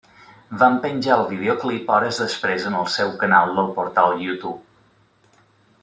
Van penjar el videoclip hores després en el seu canal del portal YouTube.